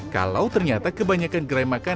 kalau ternyata kebanyakan gerai makan